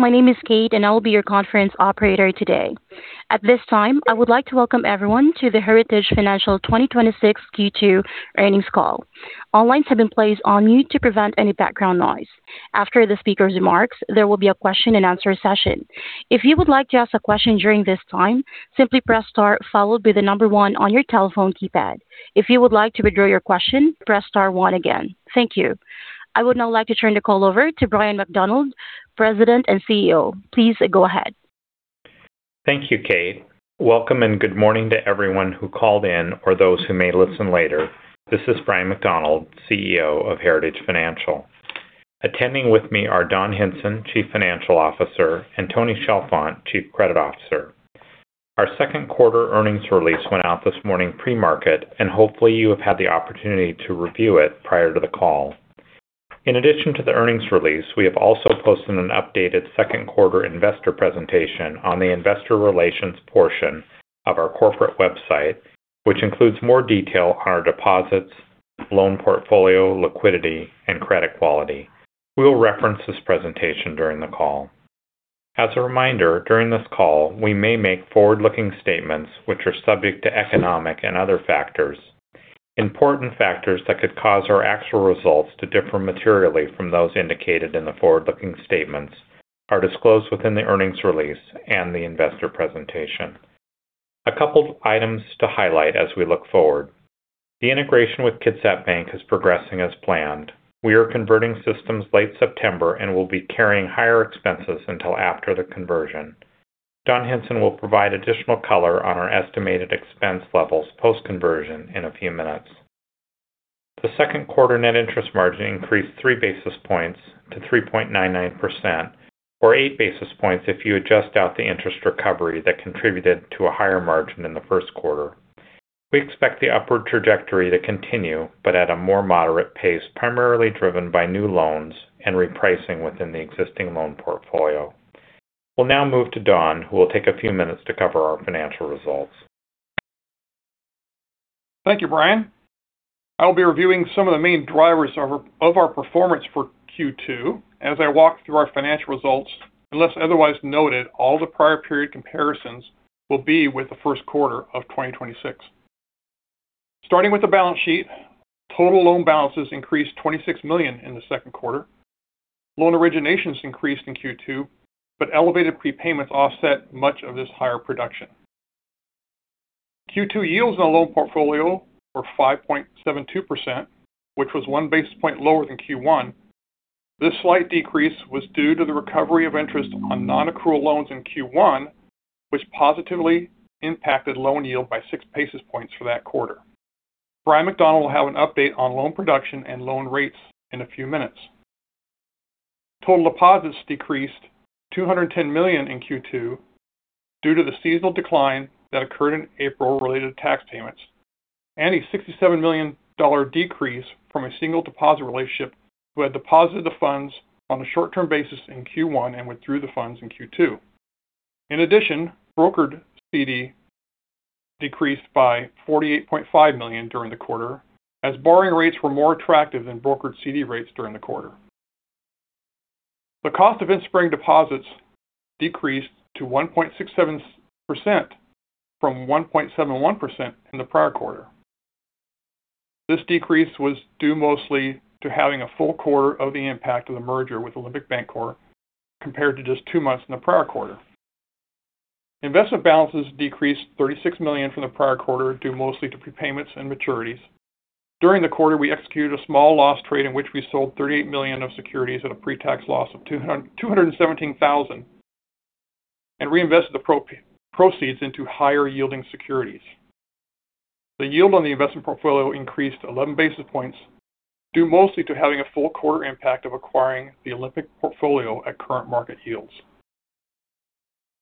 My name is Kate, and I will be your conference operator today. At this time, I would like to welcome everyone to the Heritage Financial 2026 Q2 Earnings Call. All lines have been placed on mute to prevent any background noise. After the speaker's remarks, there will be a question and answer session. If you would like to ask a question during this time, simply press star followed by the number one on your telephone keypad. If you would like to withdraw your question, press star one again. Thank you. I would now like to turn the call over to Bryan McDonald, President and CEO. Please go ahead. Thank you, Kate. Welcome and good morning to everyone who called in or those who may listen later. This is Bryan McDonald, CEO of Heritage Financial. Attending with me are Don Hinson, Chief Financial Officer, and Tony Chalfant, Chief Credit Officer. Our second quarter earnings release went out this morning pre-market, and hopefully you have had the opportunity to review it prior to the call. In addition to the earnings release, we have also posted an updated second quarter investor presentation on the investor relations portion of our corporate website, which includes more detail on our deposits, loan portfolio, liquidity, and credit quality. We'll reference this presentation during the call. As a reminder, during this call, we may make forward-looking statements which are subject to economic and other factors. Important factors that could cause our actual results to differ materially from those indicated in the forward-looking statements are disclosed within the earnings release and the investor presentation. A couple items to highlight as we look forward. The integration with Kitsap Bank is progressing as planned. We are converting systems late September and will be carrying higher expenses until after the conversion. Don Hinson will provide additional color on our estimated expense levels post-conversion in a few minutes. The second quarter net interest margin increased three basis points to 3.99%, or eight basis points if you adjust out the interest recovery that contributed to a higher margin in the first quarter. We expect the upward trajectory to continue, but at a more moderate pace, primarily driven by new loans and repricing within the existing loan portfolio. We'll now move to Don, who will take a few minutes to cover our financial results. Thank you, Bryan. I'll be reviewing some of the main drivers of our performance for Q2. As I walk through our financial results, unless otherwise noted, all the prior period comparisons will be with the first quarter of 2026. Starting with the balance sheet, total loan balances increased $26 million in the second quarter. Loan originations increased in Q2, but elevated prepayments offset much of this higher production. Q2 yields on the loan portfolio were 5.72%, which was one basis point lower than Q1. This slight decrease was due to the recovery of interest on non-accrual loans in Q1, which positively impacted loan yield by 6 basis points for that quarter. Bryan McDonald will have an update on loan production and loan rates in a few minutes. Total deposits decreased $210 million in Q2 due to the seasonal decline that occurred in April related to tax payments and a $67 million decrease from a single deposit relationship who had deposited the funds on a short-term basis in Q1 and withdrew the funds in Q2. In addition, brokered CD decreased by $48.5 million during the quarter as borrowing rates were more attractive than brokered CD rates during the quarter. The cost of Interest-Bearing deposits decreased to 1.67% from 1.71% in the prior quarter. This decrease was due mostly to having a full quarter of the impact of the merger with Olympic Bancorp compared to just two months in the prior quarter. Investment balances decreased $36 million from the prior quarter, due mostly to prepayments and maturities. During the quarter, we executed a small loss trade in which we sold $38 million of securities at a pre-tax loss of $217,000 and reinvested the proceeds into higher yielding securities. The yield on the investment portfolio increased 11 basis points, due mostly to having a full quarter impact of acquiring the Olympic portfolio at current market yields.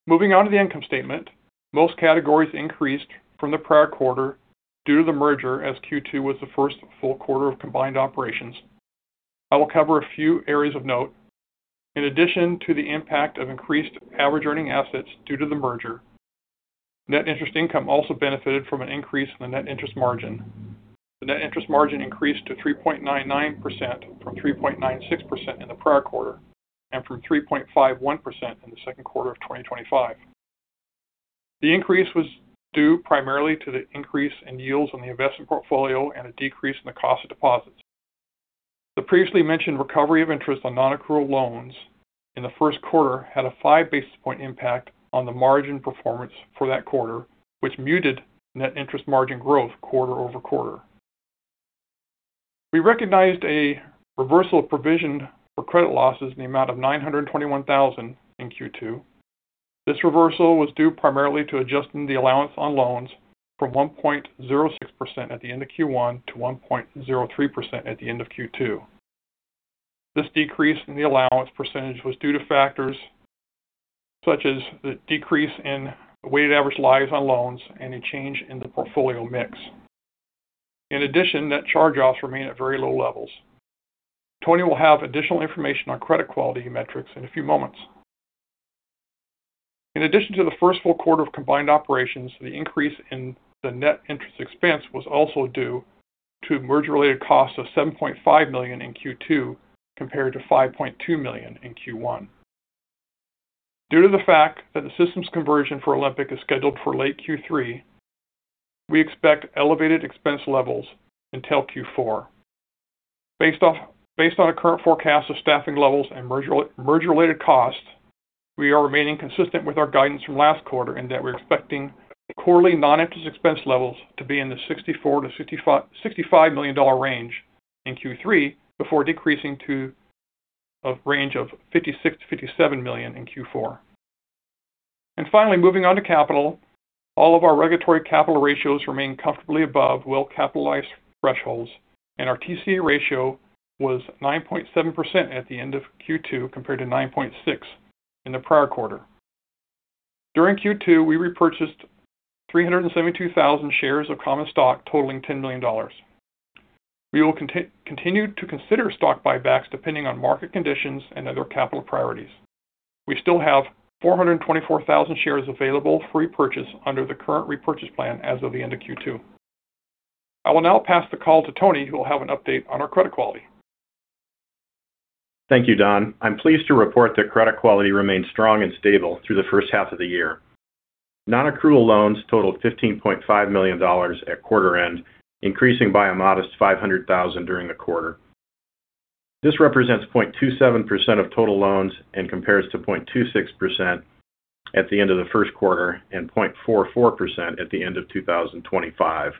Moving on to the income statement. Most categories increased from the prior quarter due to the merger, as Q2 was the first full quarter of combined operations. I will cover a few areas of note. In addition to the impact of increased average earning assets due to the merger, net interest income also benefited from an increase in the net interest margin. The net interest margin increased to 3.99% from 3.96% in the prior quarter and from 3.51% in the second quarter of 2025. The increase was due primarily to the increase in yields on the investment portfolio and a decrease in the cost of deposits. The previously mentioned recovery of interest on non-accrual loans in the first quarter had a five basis point impact on the margin performance for that quarter, which muted net interest margin growth quarter-over-quarter. We recognized a reversal of provision for credit losses in the amount of $921,000 in Q2. This reversal was due primarily to adjusting the allowance on loans from 1.06% at the end of Q1 to 1.03% at the end of Q2. This decrease in the allowance percentage was due to factors such as the decrease in weighted average liabilities on loans and a change in the portfolio mix. In addition, net charge-offs remain at very low levels. Tony will have additional information on credit quality metrics in a few moments. In addition to the first full quarter of combined operations, the increase in the net interest expense was also due to merger-related costs of $7.5 million in Q2 compared to $5.2 million in Q1. Due to the fact that the systems conversion for Olympic is scheduled for late Q3, we expect elevated expense levels until Q4. Based on our current forecast of staffing levels and merger-related costs, we are remaining consistent with our guidance from last quarter in that we're expecting quarterly non-interest expense levels to be in the $64 million to $65 million range in Q3 before decreasing to a range of $56 million-$57 million in Q4. Finally, moving on to capital. All of our regulatory capital ratios remain comfortably above well-capitalized thresholds, and our TCE ratio was 9.7% at the end of Q2 compared to 9.6% in the prior quarter. During Q2, we repurchased 372,000 shares of common stock totaling $10 million. We will continue to consider stock buybacks depending on market conditions and other capital priorities. We still have 424,000 shares available for repurchase under the current repurchase plan as of the end of Q2. I will now pass the call to Tony, who will have an update on our credit quality. Thank you, Don. I'm pleased to report that credit quality remains strong and stable through the first half of the year. Non-accrual loans totaled $15.5 million at quarter end, increasing by a modest $500,000 during the quarter. This represents 0.27% of total loans and compares to 0.26% at the end of the first quarter and 0.44% at the end of 2025.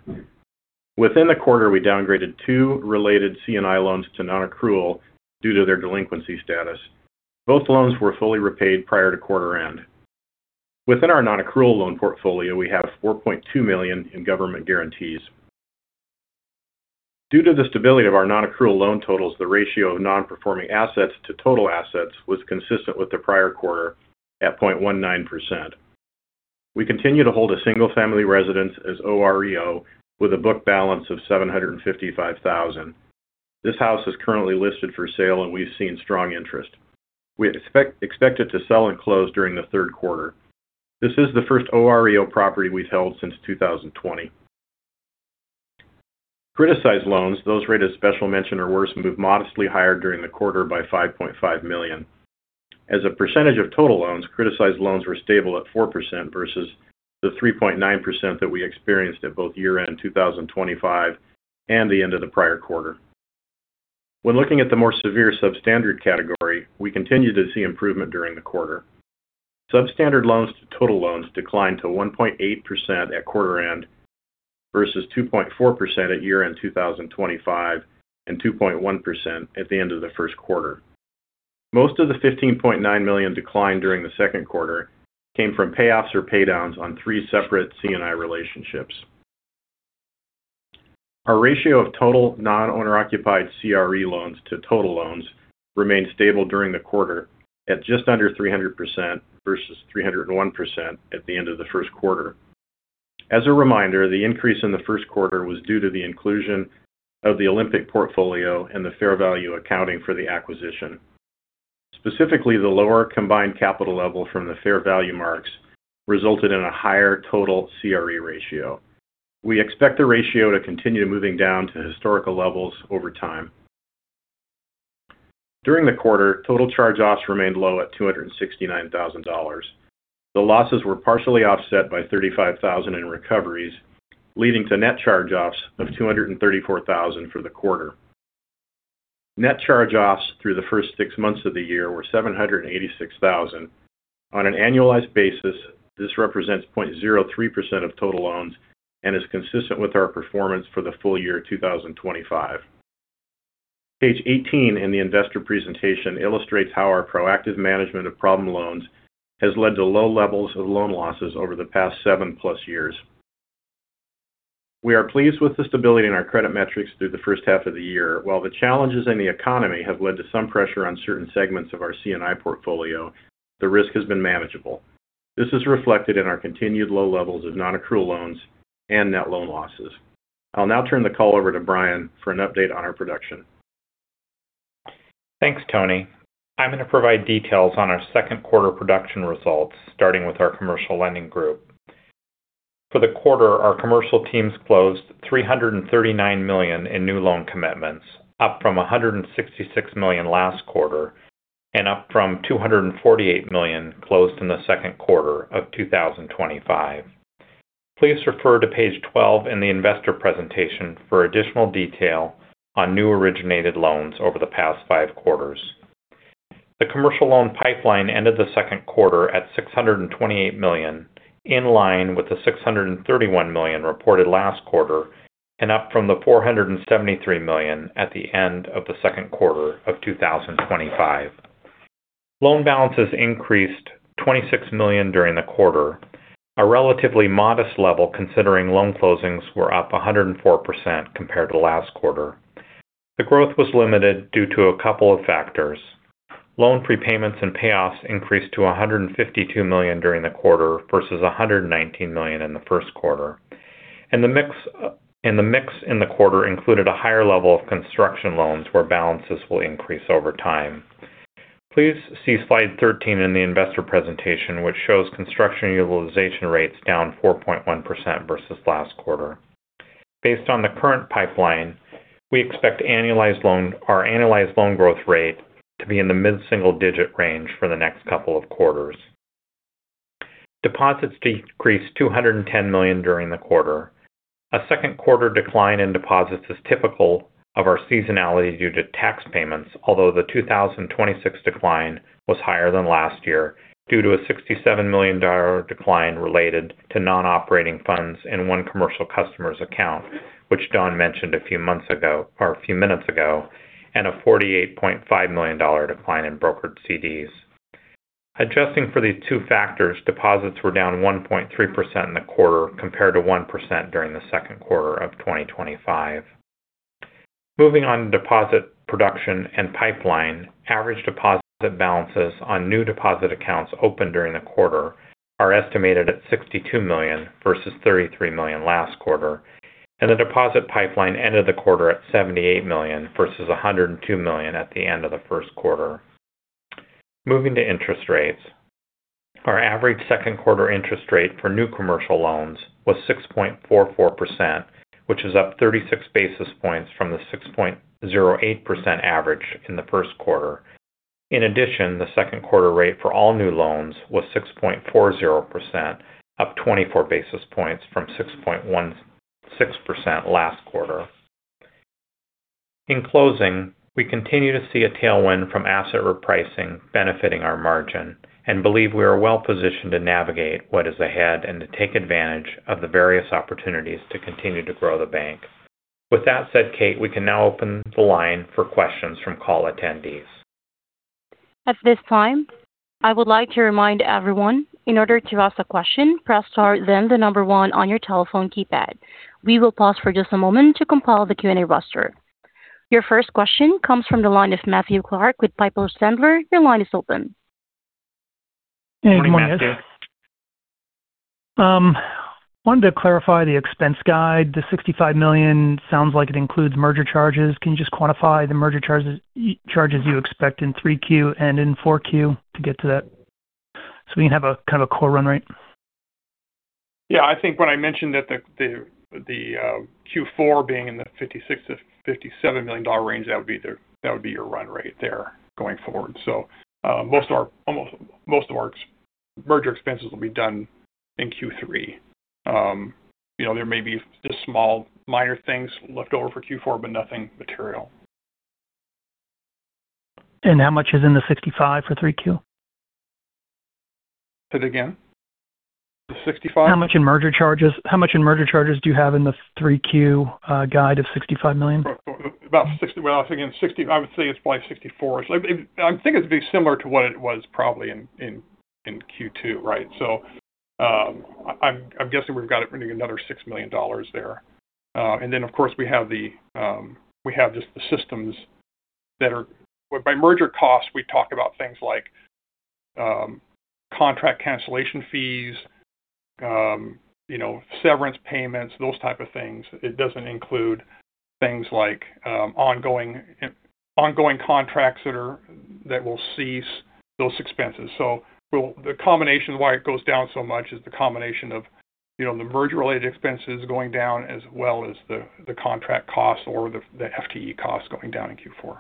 Within the quarter, we downgraded two related C&I loans to non-accrual due to their delinquency status. Both loans were fully repaid prior to quarter end. Within our non-accrual loan portfolio, we have $4.2 million in government guarantees. Due to the stability of our non-accrual loan totals, the ratio of non-performing assets to total assets was consistent with the prior quarter at 0.19%. We continue to hold a single-family residence as OREO with a book balance of $755,000. This house is currently listed for sale, and we've seen strong interest. We expect it to sell and close during the third quarter. This is the first OREO property we've held since 2020. Criticized loans, those rated special mention or worse, moved modestly higher during the quarter by $5.5 million. As a percentage of total loans, criticized loans were stable at 4% versus the 3.9% that we experienced at both year-end 2025 and the end of the prior quarter. When looking at the more severe substandard category, we continued to see improvement during the quarter. Substandard loans to total loans declined to 1.8% at quarter end versus 2.4% at year-end 2025 and 2.1% at the end of the first quarter. Most of the $15.9 million decline during the second quarter came from payoffs or paydowns on three separate C&I relationships. Our ratio of total non-owner-occupied CRE loans to total loans remained stable during the quarter at just under 300% versus 301% at the end of the first quarter. As a reminder, the increase in the first quarter was due to the inclusion of the Olympic portfolio and the fair value accounting for the acquisition. Specifically, the lower combined capital level from the fair value marks resulted in a higher total CRE ratio. We expect the ratio to continue moving down to historical levels over time. During the quarter, total charge-offs remained low at $269,000. The losses were partially offset by $35,000 in recoveries, leading to net charge-offs of $234,000 for the quarter. Net charge-offs through the first six months of the year were $786,000. On an annualized basis, this represents 0.03% of total loans and is consistent with our performance for the full year 2025. Page 18 in the investor presentation illustrates how our proactive management of problem loans has led to low levels of loan losses over the past seven-plus years. We are pleased with the stability in our credit metrics through the first half of the year. While the challenges in the economy have led to some pressure on certain segments of our C&I portfolio, the risk has been manageable. This is reflected in our continued low levels of non-accrual loans and net loan losses. I'll now turn the call over to Bryan for an update on our production. Thanks, Tony. I'm going to provide details on our second quarter production results, starting with our commercial lending group. For the quarter, our commercial teams closed $339 million in new loan commitments, up from $166 million last quarter and up from $248 million closed in the second quarter of 2025. Please refer to page 12 in the investor presentation for additional detail on new originated loans over the past five quarters. The commercial loan pipeline ended the second quarter at $628 million, in line with the $631 million reported last quarter and up from the $473 million at the end of the second quarter of 2025. Loan balances increased $26 million during the quarter, a relatively modest level considering loan closings were up 104% compared to last quarter. The growth was limited due to a couple of factors. Loan prepayments and payoffs increased to $152 million during the quarter versus $119 million in the first quarter. The mix in the quarter included a higher level of construction loans where balances will increase over time. Please see slide 13 in the investor presentation, which shows construction utilization rates down 4.1% versus last quarter. Based on the current pipeline, we expect our annualized loan growth rate to be in the mid-single digit range for the next couple of quarters. Deposits decreased $210 million during the quarter. A second quarter decline in deposits is typical of our seasonality due to tax payments, although the 2026 decline was higher than last year due to a $67 million decline related to non-operating funds in one commercial customer's account, which Don mentioned a few minutes ago, and a $48.5 million decline in brokered CDs. Adjusting for these two factors, deposits were down 1.3% in the quarter, compared to 1% during the second quarter of 2025. Moving on to deposit production and pipeline. Average deposit balances on new deposit accounts opened during the quarter are estimated at $62 million versus $33 million last quarter, and the deposit pipeline ended the quarter at $78 million versus $102 million at the end of the first quarter. Moving to interest rates. Our average second quarter interest rate for new commercial loans was 6.44%, which is up 36 basis points from the 6.08% average in the first quarter. In addition, the second quarter rate for all new loans was 6.40%, up 24 basis points from 6.16% last quarter. In closing, we continue to see a tailwind from asset repricing benefiting our margin and believe we are well positioned to navigate what is ahead and to take advantage of the various opportunities to continue to grow the bank. With that said, Kate, we can now open the line for questions from call attendees. At this time, I would like to remind everyone, in order to ask a question, press star, then the number 1 on your telephone keypad. We will pause for just a moment to compile the Q&A roster. Your first question comes from the line of Matthew Clark with Piper Sandler. Your line is open. Good morning, Matthew. I wanted to clarify the expense guide. The $65 million sounds like it includes merger charges. Can you just quantify the merger charges you expect in 3Q and in 4Q to get to that so we can have a kind of a core run rate? Yeah, I think when I mentioned that the Q4 being in the $56 million-$57 million range, that would be your run rate there going forward. Most of our merger expenses will be done in Q3. There may be just small, minor things left over for Q4, but nothing material. How much is in the $65 million for 3Q? Say it again. The $65 million? How much in merger charges do you have in the 3Q guide of $65 million? I would say it's probably $64. I think it'd be similar to what it was probably in Q2. I'm guessing we've got it running another $6 million there. Of course, we have just the systems that by merger costs, we talk about things like contract cancellation fees, severance payments, those type of things. It doesn't include things like ongoing contracts that will cease those expenses. The combination of why it goes down so much is the combination of the merger-related expenses going down, as well as the contract costs or the FTE costs going down in Q4.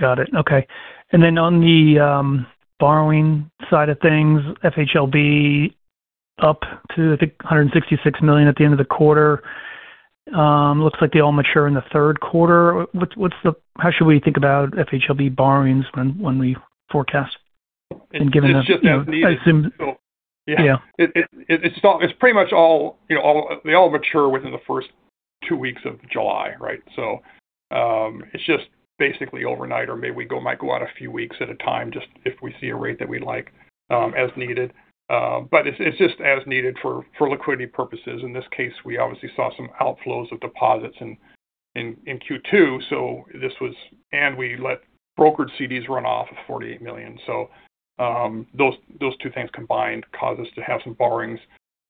Got it. Okay. On the borrowing side of things, FHLB up to, I think, $166 million at the end of the quarter. Looks like they all mature in the third quarter. How should we think about FHLB borrowings when we forecast and given the- It's just as needed. Yeah. It's pretty much all, they all mature within the first two weeks of July. It's just basically overnight or maybe we might go out a few weeks at a time just if we see a rate that we like as needed. It's just as needed for liquidity purposes. In this case, we obviously saw some outflows of deposits in Q2, and we let brokered CDs run off of $48 million. Those two things combined cause us to have some borrowings.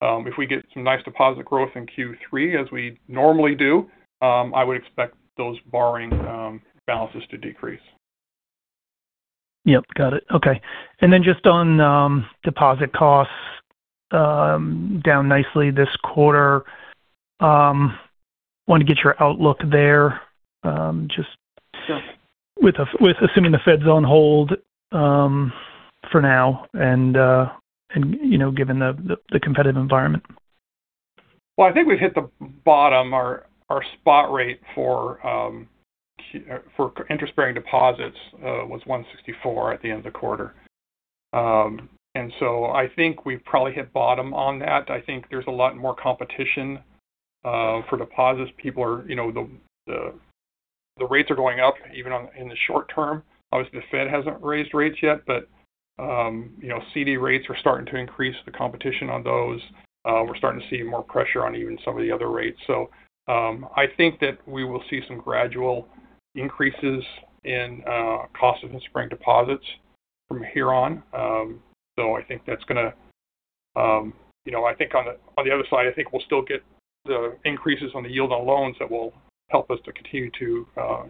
If we get some nice deposit growth in Q3 as we normally do, I would expect those borrowing balances to decrease. Yep, got it. Okay. Just on deposit costs down nicely this quarter. Wanted to get your outlook there. Sure. Just with assuming the Fed's on hold for now and given the competitive environment. I think we've hit the bottom. Our spot rate for interest-bearing deposits was 1.64% at the end of the quarter. I think we've probably hit bottom on that. I think there's a lot more competition for deposits. The rates are going up, even in the short term. Obviously, the Fed hasn't raised rates yet, but CD rates are starting to increase the competition on those. We're starting to see more pressure on even some of the other rates. I think that we will see some gradual increases in cost of interest-bearing deposits From here on. I think on the other side, I think we'll still get the increases on the yield on loans that will help us to continue to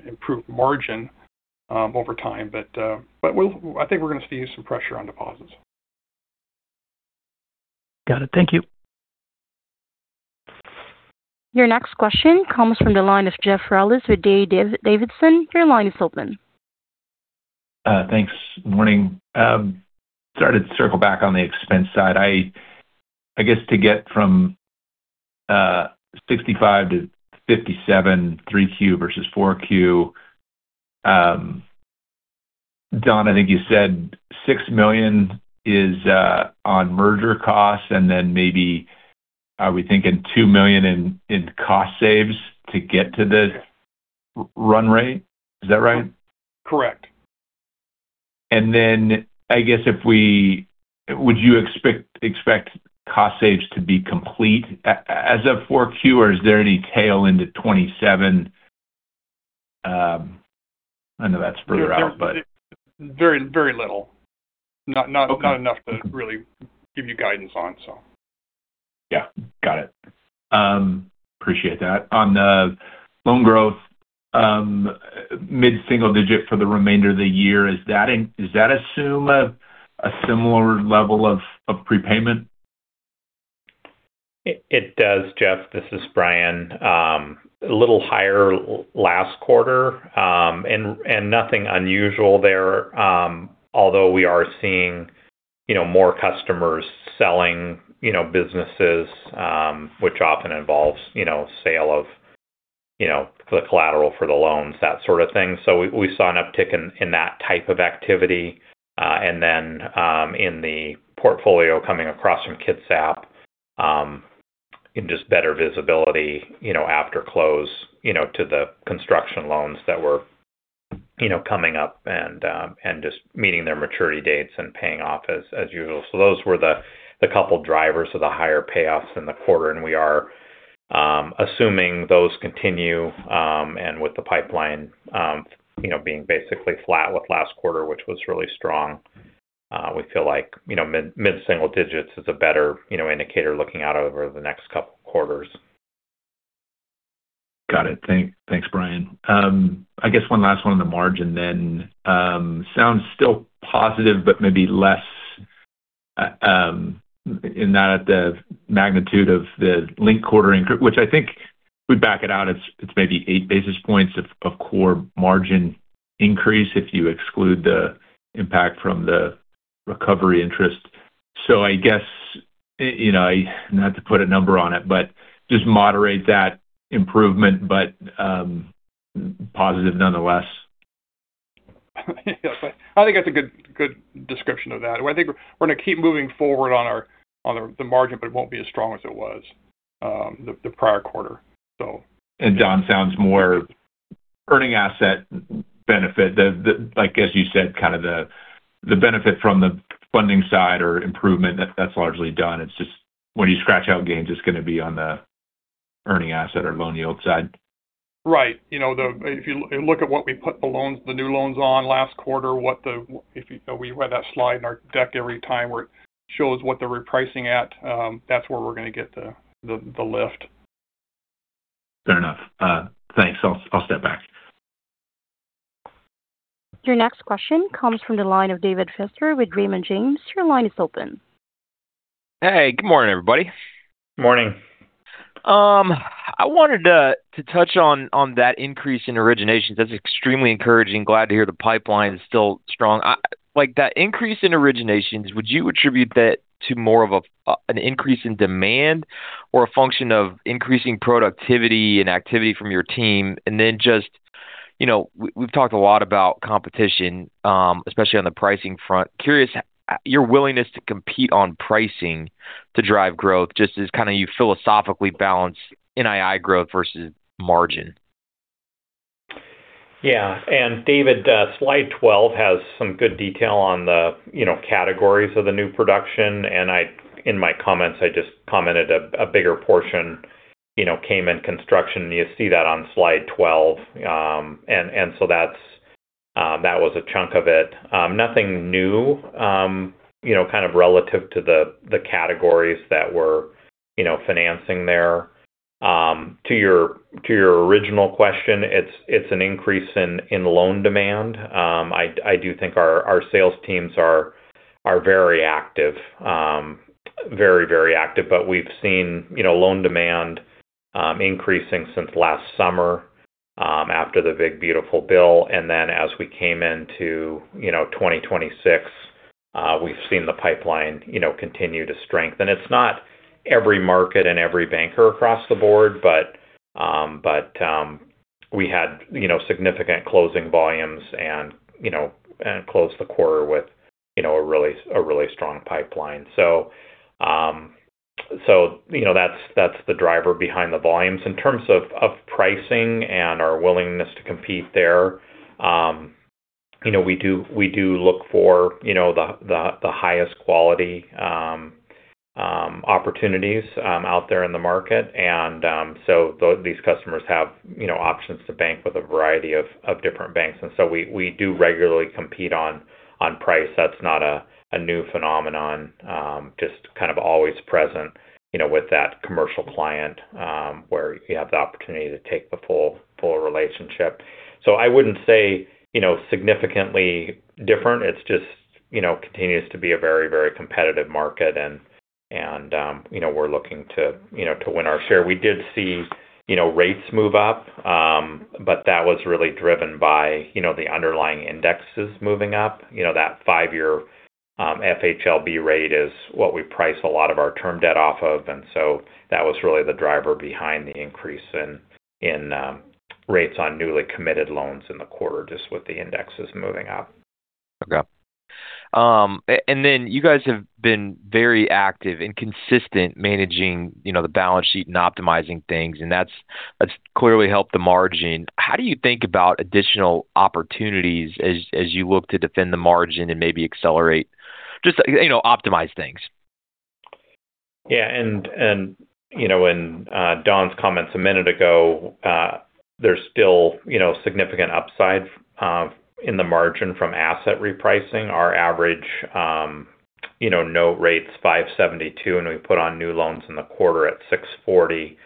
improve margin over time. I think we're going to see some pressure on deposits. Got it. Thank you. Your next question comes from the line of Jeff Rulis with D.A. Davidson. Your line is open. Thanks. Morning. Sorry to circle back on the expense side. I guess to get from $65 million to $57 million 3Q versus 4Q. Don, I think you said $6 million is on merger costs and then maybe are we thinking $2 million in cost saves to get to the run rate? Is that right? Correct. Then I guess would you expect cost saves to be complete as of 4Q or is there any tail into 2027? I know that's further out. Very little. Okay. Not enough to really give you guidance on. Yeah. Got it. Appreciate that. On the loan growth, mid-single digit for the remainder of the year. Does that assume a similar level of prepayment? It does, Jeff. This is Bryan. A little higher last quarter. Nothing unusual there. Although we are seeing more customers selling businesses, which often involves sale of the collateral for the loans, that sort of thing. We saw an uptick in that type of activity. Then in the portfolio coming across from Kitsap, and just better visibility after close to the construction loans that were coming up and just meeting their maturity dates and paying off as usual. Those were the couple of drivers of the higher payoffs in the quarter, and we are assuming those continue. With the pipeline being basically flat with last quarter, which was really strong, we feel like mid-single digits is a better indicator looking out over the next couple of quarters. Got it. Thanks, Bryan. I guess one last one on the margin then. Sounds still positive, but maybe less in that at the magnitude of the linked quarter increase, which I think if we back it out, it's maybe eight basis points of core margin increase if you exclude the impact from the recovery interest. I guess, not to put a number on it, but just moderate that improvement, but positive nonetheless. Yes. I think that's a good description of that. I think we're going to keep moving forward on the margin, but it won't be as strong as it was the prior quarter. Don, sounds more earning asset benefit. As you said, the benefit from the funding side or improvement that's largely done. It's just when you scratch out gains, it's going to be on the earning asset or loan yield side. Right. If you look at what we put the new loans on last quarter, we have that slide in our deck every time where it shows what they're repricing at. That's where we're going to get the lift. Fair enough. Thanks. I'll step back. Your next question comes from the line of David Feaster with Raymond James. Your line is open. Hey, good morning, everybody. Morning. I wanted to touch on that increase in originations. That's extremely encouraging. Glad to hear the pipeline is still strong. Like that increase in originations, would you attribute that to more of an increase in demand or a function of increasing productivity and activity from your team? We've talked a lot about competition, especially on the pricing front. Curious your willingness to compete on pricing to drive growth just as kind of you philosophically balance NII growth versus margin. David Feaster, slide 12 has some good detail on the categories of the new production, in my comments, I just commented a bigger portion came in construction, you see that on slide 12. That was a chunk of it. Nothing new kind of relative to the categories that we're financing there. To your original question, it's an increase in loan demand. I do think our sales teams are very active. Very, very active. We've seen loan demand increasing since last summer after the Big Beautiful Bill. As we came into 2026, we've seen the pipeline continue to strengthen. It's not every market and every banker across the board, but we had significant closing volumes and closed the quarter with a really strong pipeline. That's the driver behind the volumes. In terms of pricing and our willingness to compete there, we do look for the highest quality opportunities out there in the market. These customers have options to bank with a variety of different banks. We do regularly compete on price. That's not a new phenomenon, just kind of always present with that commercial client, where you have the opportunity to take the full relationship. I wouldn't say significantly different. It's just continues to be a very competitive market and we're looking to win our share. We did see rates move up, but that was really driven by the underlying indexes moving up. That five-year FHLB rate is what we price a lot of our term debt off of, that was really the driver behind the increase in rates on newly committed loans in the quarter, just with the indexes moving up. Okay. Then you guys have been very active and consistent managing the balance sheet and optimizing things, and that's clearly helped the margin. How do you think about additional opportunities as you look to defend the margin and maybe accelerate, just optimize things? Yeah. In Don's comments a minute ago, there's still significant upsides in the margin from asset repricing. Our average note rate's 5.72%, and we put on new loans in the quarter at 6.40%.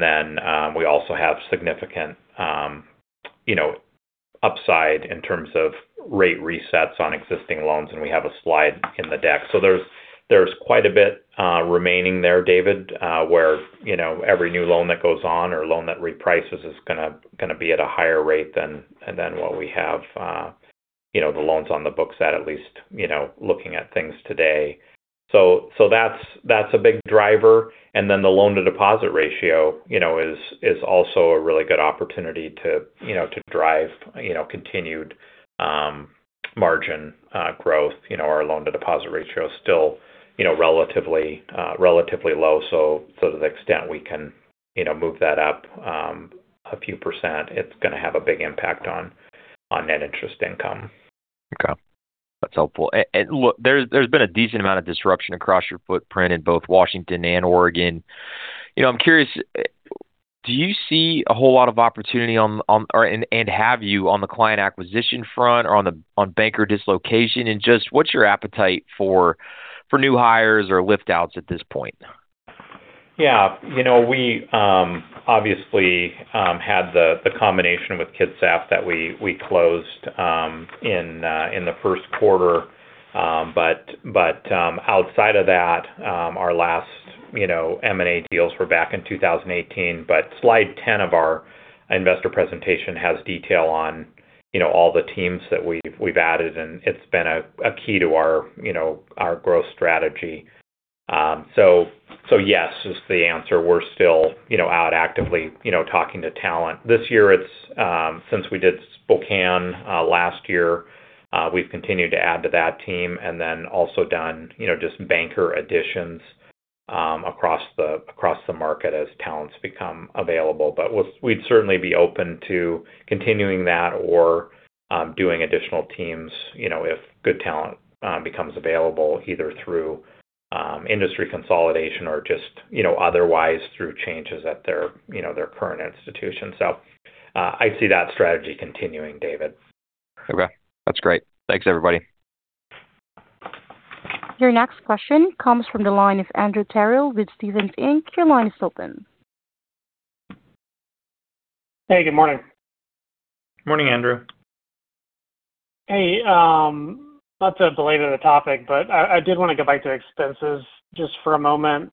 Then we also have significant upside in terms of rate resets on existing loans. We have a slide in the deck. There's quite a bit remaining there, David, where every new loan that goes on or loan that reprices is going to be at a higher rate than what we have the loans on the books at least looking at things today. That's a big driver. The loan-to-deposit ratio is also a really good opportunity to drive continued margin growth. Our loan-to-deposit ratio is still relatively low. To the extent we can move that up a few percent, it's going to have a big impact on net interest income. Okay. That's helpful. Look, there's been a decent amount of disruption across your footprint in both Washington and Oregon. I'm curious, do you see a whole lot of opportunity and have you on the client acquisition front or on banker dislocation and just what's your appetite for new hires or lift-outs at this point? Yeah. We obviously had the combination with Kitsap that we closed in the first quarter. Outside of that, our last M&A deals were back in 2018. Slide 10 of our investor presentation has detail on all the teams that we've added, and it's been a key to our growth strategy. Yes is the answer. We're still out actively talking to talent. This year, since we did Spokane last year, we've continued to add to that team and then also done just banker additions across the market as talents become available. We'd certainly be open to continuing that or doing additional teams if good talent becomes available, either through industry consolidation or just otherwise through changes at their current institution. I see that strategy continuing, David. Okay. That's great. Thanks, everybody. Your next question comes from the line of Andrew Terrell with Stephens Inc. Your line is open. Hey, good morning. Morning, Andrew. Hey, not to belabor the topic, I did want to go back to expenses just for a moment.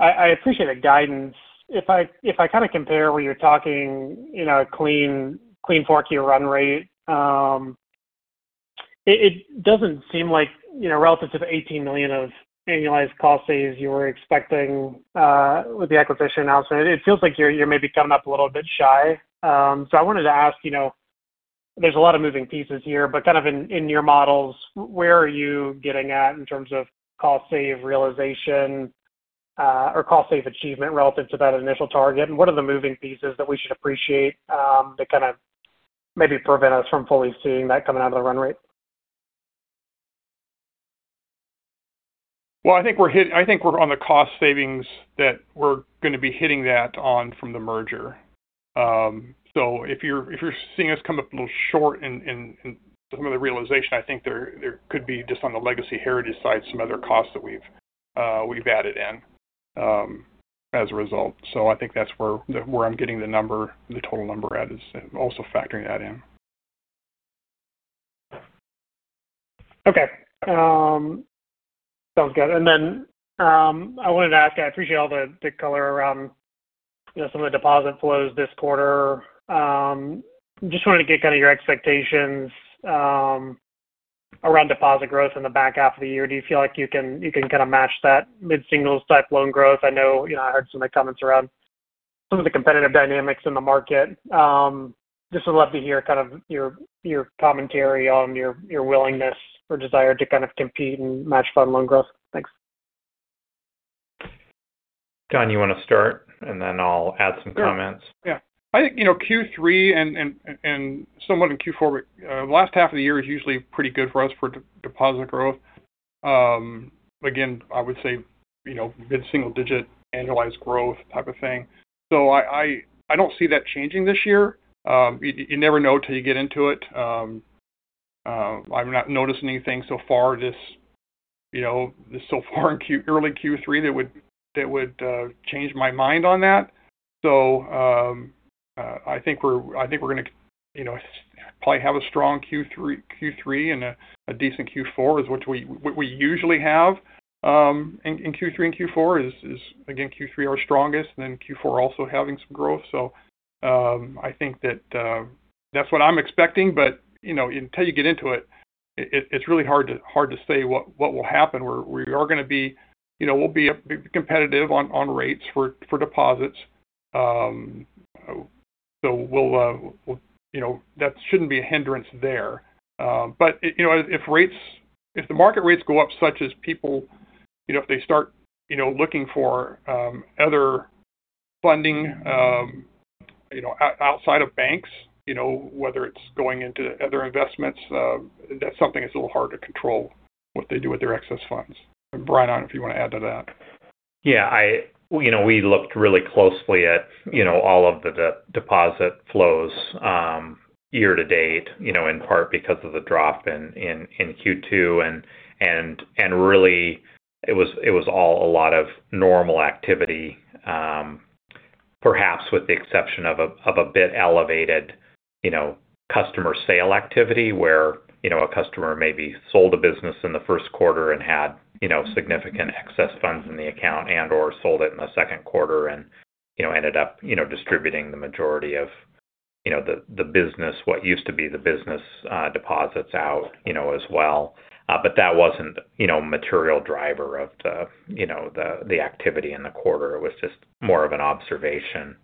I appreciate the guidance. If I compare where you're talking clean four-year run rate, it doesn't seem like relative to the $18 million of annualized cost saves you were expecting with the acquisition announcement. It feels like you're maybe coming up a little bit shy. I wanted to ask, there's a lot of moving pieces here, but kind of in your models, where are you getting at in terms of cost save realization or cost save achievement relative to that initial target and what are the moving pieces that we should appreciate that kind of maybe prevent us from fully seeing that coming out of the run rate? Well, I think we're on the cost savings that we're going to be hitting that on from the merger. If you're seeing us come up a little short in some of the realization, I think there could be just on the legacy Heritage side, some other costs that we've added in as a result. I think that's where I'm getting the total number at is also factoring that in. Okay. Sounds good. I wanted to ask you, I appreciate all the color around some of the deposit flows this quarter. Just wanted to get kind of your expectations around deposit growth in the back half of the year. Do you feel like you can kind of match that mid-singles type loan growth? I know I heard some of the comments around some of the competitive dynamics in the market. Just would love to hear your commentary on your willingness or desire to kind of compete and match that loan growth. Thanks. Don, you want to start? Then I'll add some comments. Yeah. I think Q3 and somewhat in Q4, the last half of the year is usually pretty good for us for deposit growth. Again, I would say mid-single digit annualized growth type of thing. I don't see that changing this year. You never know till you get into it. I'm not noticing anything so far in early Q3 that would change my mind on that. I think we're going to probably have a strong Q3 and a decent Q4, is what we usually have in Q3 and Q4 is, again, Q3 our strongest, then Q4 also having some growth. I think that's what I'm expecting. Until you get into it's really hard to say what will happen. We'll be competitive on rates for deposits. That shouldn't be a hindrance there. If the market rates go up such as people, if they start looking for other funding outside of banks, whether it's going into other investments, that's something that's a little hard to control, what they do with their excess funds. Bryan, if you want to add to that. Yeah. We looked really closely at all of the deposit flows year to date, in part because of the drop in Q2, really it was all a lot of normal activity, perhaps with the exception of a bit elevated customer sale activity where a customer maybe sold a business in the first quarter and had significant excess funds in the account and/or sold it in the second quarter and ended up distributing the majority of the business, what used to be the business deposits out as well. That wasn't a material driver of the activity in the quarter. It was just more of an observation.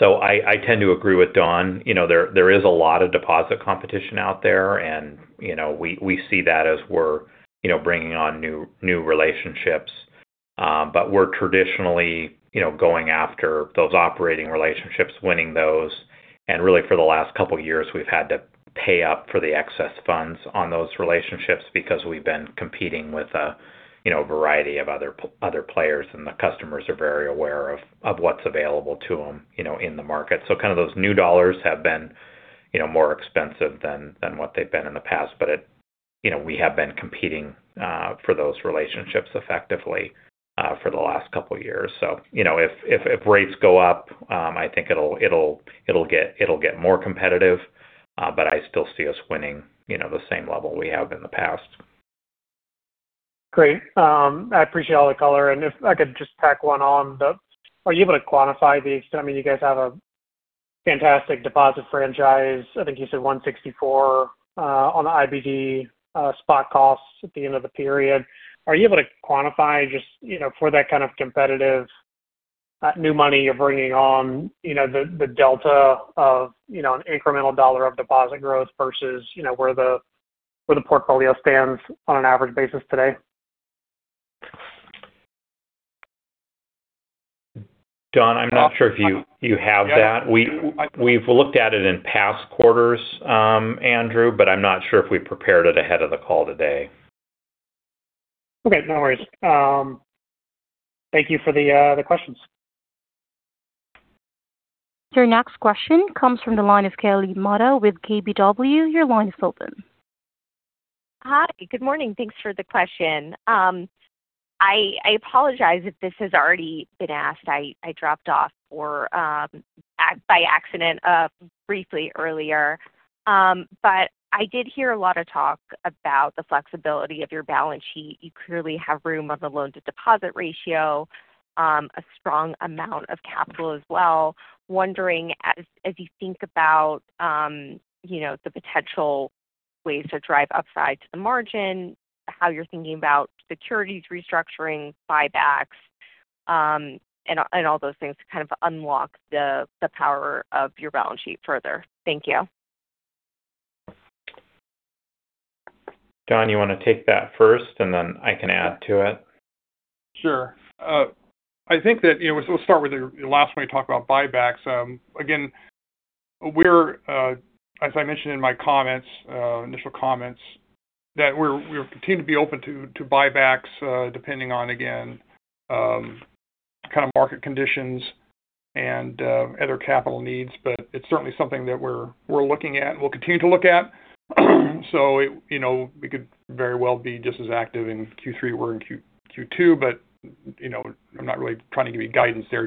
I tend to agree with Don. There is a lot of deposit competition out there, we see that as we're bringing on new relationships. We're traditionally going after those operating relationships, winning those. Really for the last couple of years, we've had to pay up for the excess funds on those relationships because we've been competing with a variety of other players, and the customers are very aware of what's available to them in the market. Kind of those new dollars have been more expensive than what they've been in the past. We have been competing for those relationships effectively for the last couple of years. If rates go up, I think it'll get more competitive. I still see us winning the same level we have in the past. Great. I appreciate all the color. If I could just tack one on. Are you able to quantify the extent? I mean, you guys have a fantastic deposit franchise. I think you said 1.64% on the IBD spot costs at the end of the period. Are you able to quantify just for that kind of competitive new money you're bringing on, the delta of an incremental $1 of deposit growth versus where the portfolio stands on an average basis today? Don, I'm not sure if you have that. We've looked at it in past quarters, Andrew, I'm not sure if we prepared it ahead of the call today. Okay. No worries. Thank you for the questions. Your next question comes from the line of Kelly Motta with KBW. Your line is open. Hi. Good morning. Thanks for the question. I apologize if this has already been asked. I dropped off by accident briefly earlier. I did hear a lot of talk about the flexibility of your balance sheet. You clearly have room on the loan-to-deposit ratio, a strong amount of capital as well. Wondering, as you think about the potential ways to drive upside to the margin, how you're thinking about securities restructuring, buybacks, and all those things to kind of unlock the power of your balance sheet further. Thank you. Don, you want to take that first, then I can add to it? Sure. We'll start with your last one. You talked about buybacks. Again, as I mentioned in my initial comments, that we continue to be open to buybacks depending on, again, kind of market conditions and other capital needs. It's certainly something that we're looking at and we'll continue to look at. We could very well be just as active in Q3 as we were in Q2. I'm not really trying to give you guidance there.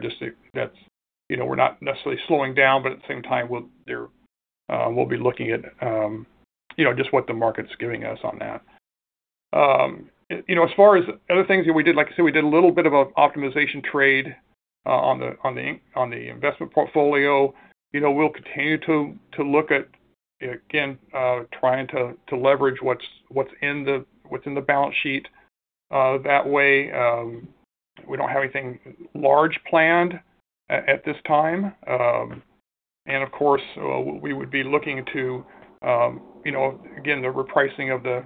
We're not necessarily slowing down, but at the same time we'll be looking at just what the market's giving us on that. As far as other things that we did, like I said, we did a little bit of an optimization trade on the investment portfolio. We'll continue to look at, again, trying to leverage what's in the balance sheet. That way, we don't have anything large planned at this time. Of course, the repricing of the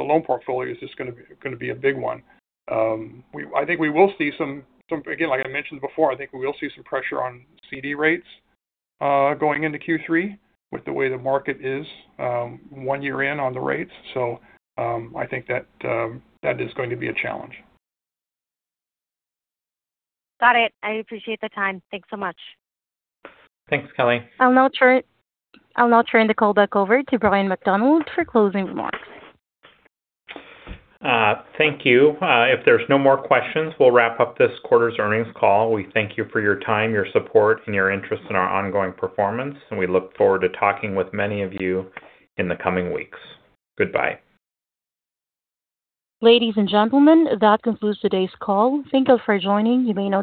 loan portfolio is just going to be a big one. Again, like I mentioned before, I think we will see some pressure on CD rates going into Q3 with the way the market is one year in on the rates. I think that is going to be a challenge. Got it. I appreciate the time. Thanks so much. Thanks, Kelly. I'll now turn the call back over to Bryan McDonald for closing remarks. Thank you. If there's no more questions, we'll wrap up this quarter's earnings call. We thank you for your time, your support, and your interest in our ongoing performance, and we look forward to talking with many of you in the coming weeks. Goodbye. Ladies and gentlemen, that concludes today's call. Thank you for joining. You may now disconnect.